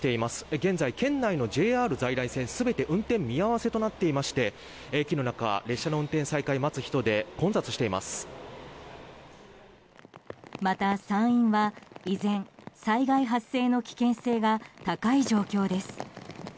現在、県内のＪＲ在来線全て運転見合わせとなっていまして駅の中列車の運転再開を待つ人でまた、山陰は依然災害発生の危険性が高い状況です。